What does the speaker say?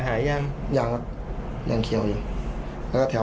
ห้ามกันครับผม